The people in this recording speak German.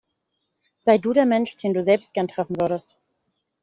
Sei du der Mensch, den du selbst gern treffen würdest.